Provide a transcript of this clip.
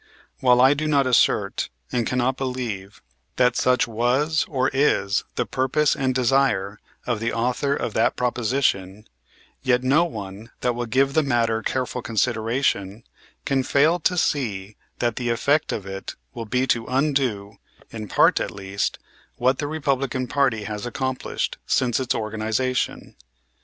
While I do not assert and cannot believe that such was or is the purpose and desire of the author of that proposition, yet no one that will give the matter careful consideration can fail to see that the effect of it will be to undo, in part at least, what the Republican party has accomplished since its organization.